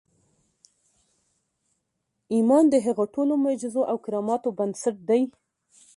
ایمان د هغو ټولو معجزو او کراماتو بنسټ دی